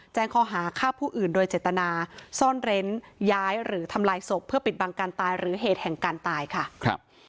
แจ้งข้อหาฆ่าผู้อื่นโดยเจตนาซ่อนเร้นย้ายหรือทำลายศพเพื่อปิดบังการตายหรือเหตุแห่งการตายค่ะครับ